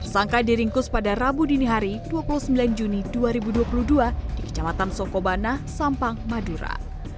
sangka diringkus pada rabu dini hari dua puluh sembilan juni dua ribu dua puluh dua di kecamatan sokobana sampang madura